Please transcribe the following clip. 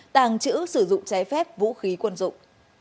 tàng trữ sử dụng trái phép vũ khí quân dụng